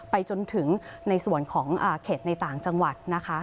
จนถึงในส่วนของเขตในต่างจังหวัดนะคะ